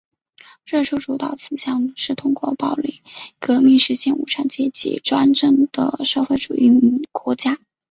最初主导思想是通过暴力革命实现无产阶级专政的社会主义国家。